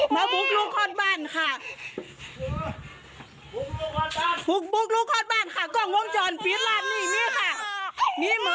มาปลุกลูกคอดบันค่ะปลุกลูกคอดบันค่ะกล้องวงจรฟีดร้านนี้นี่ค่ะ